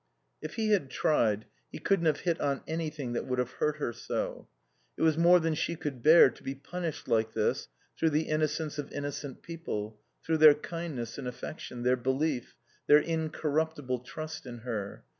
If he had tried he couldn't have hit on anything that would have hurt her so. It was more than she could bear to be punished like this through the innocence of innocent people, through their kindness and affection, their belief, their incorruptible trust in her.